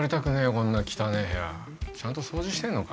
こんな汚え部屋ちゃんと掃除してんのか？